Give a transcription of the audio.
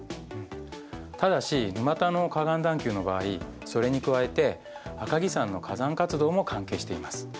ただし沼田の河岸段丘の場合それに加えて赤城山の火山活動も関係しています。